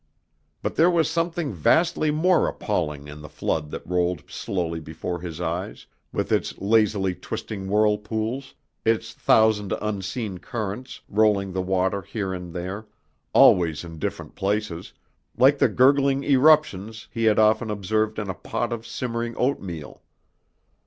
But there was something vastly more appalling in the flood that rolled slowly before his eyes, with its lazily twisting whirlpools, its thousand unseen currents, rolling the water here and there always in different places like the gurgling eruptions he had often observed in a pot of simmering oatmeal.